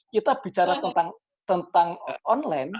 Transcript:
kita bicara tentang online